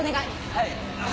はい。